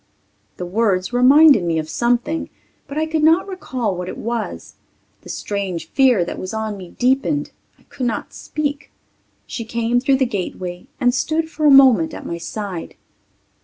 The words reminded me of something, but I could not recall what it was. The strange fear that was on me deepened. I could not speak. She came through the gateway and stood for a moment at my side.